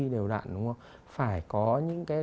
đều đặn phải có những cái